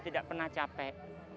tidak pernah capek